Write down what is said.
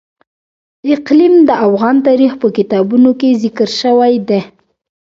اقلیم د افغان تاریخ په کتابونو کې ذکر شوی دي.